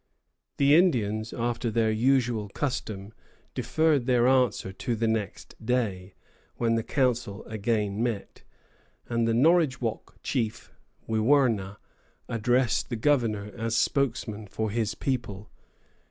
The Indians, after their usual custom, deferred their answer to the next day, when the council again met, and the Norridgewock chief, Wiwurna, addressed the governor as spokesman for his people.